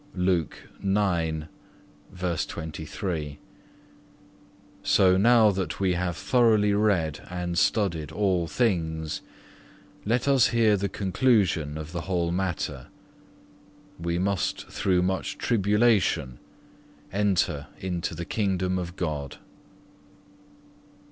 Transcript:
(7) So now that we have thoroughly read and studied all things, let us hear the conclusion of the whole matter. We must through much tribulation enter into the kingdom of God.